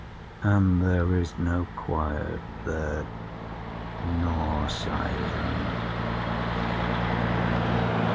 And there is no quiet there, nor silence.